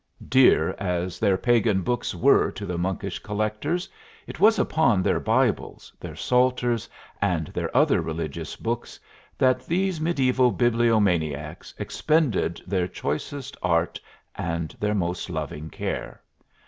Dear as their pagan books were to the monkish collectors, it was upon their Bibles, their psalters, and their other religious books that these mediaeval bibliomaniacs expended their choicest art and their most loving care.